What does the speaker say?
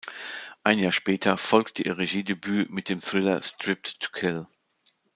Ein Jahr später folgte ihr Regiedebüt mit dem Thriller "Stripped to Kill".